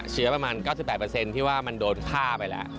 เชื้อประมาณ๙๘ที่ว่ามันโดนฆ่าไปแล้ว